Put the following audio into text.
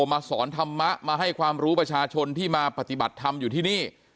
มาสอนธรรมะมาให้ความรู้ประชาชนที่มาปฏิบัติธรรมอยู่ที่นี่